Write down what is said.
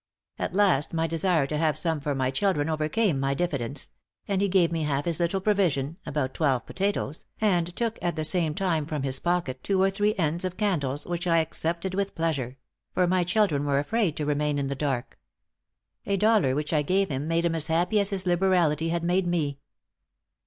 At last my desire to have some for my children overcame my diffidence; and he gave me half his little provision (about twelve potatoes), and took at the same time from his pocket two or three ends of candles, which I accepted with pleasure; for my children were afraid to remain in the dark. A dollar which I gave him made him as happy as his liberality had made me."